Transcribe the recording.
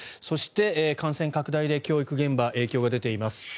そして、感染拡大で教育現場に影響が出ています。